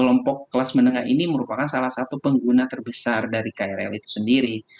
kelompok kelas menengah ini merupakan salah satu pengguna terbesar dari krl itu sendiri